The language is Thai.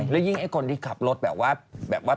และยิ้งไอ้คนที่ขับรถแบบว่า